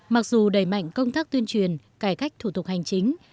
mặc dù đẩy mạnh công tác tuyên truyền cải cách thủ tục hành chính